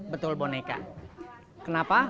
betul boneka kenapa